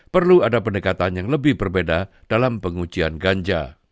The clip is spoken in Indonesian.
perlu ada pendekatan yang lebih berbeda dalam pengujian ganja